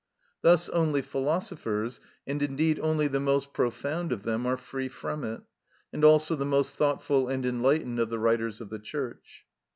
Thus only philosophers, and indeed only the most profound of them, are free from it, and also the most thoughtful and enlightened of the writers of the Church.